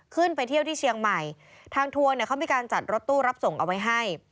ขึ้นไปเที่ยวที่เชียงใหม่ทางทัวร์เนี่ยเขามีการจัดรถตู้รับส่งเอาไว้ให้